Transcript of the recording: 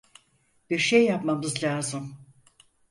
Bir şey yapmamız lazım.